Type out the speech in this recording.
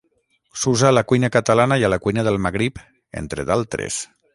S'usa a la cuina catalana i a la cuina del Magrib, entre d'altres.